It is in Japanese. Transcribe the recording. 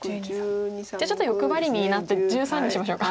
じゃあちょっと欲張りになって１３にしましょうか。